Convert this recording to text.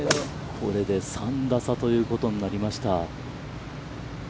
これで３打差ということになりました。